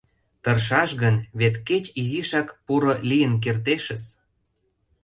Тыршаш гын, вет кеч изишак поро лийын кертешыс.